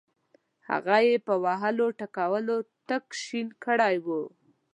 هغه یې په وهلو ټکولو تک شین کړی وو.